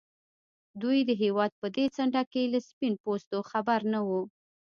دوی د هېواد په دې څنډه کې له سپين پوستو خبر نه وو.